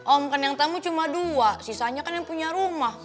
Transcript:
om kan yang tamu cuma dua sisanya kan yang punya rumah